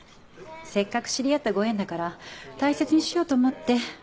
せっかく知り合ったご縁だから大切にしようと思って。